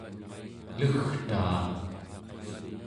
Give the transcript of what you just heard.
legtaa